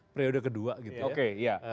periode kedua gitu ya